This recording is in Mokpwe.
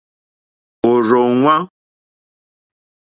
Òrzòŋwá.